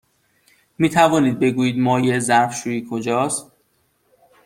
می توانید بگویید مایع ظرف شویی کجاست؟